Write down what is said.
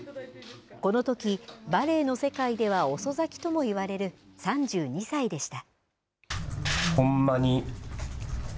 このとき、バレエの世界では遅咲きともいわれる３２歳でした。